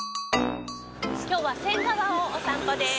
今日は仙川をお散歩です。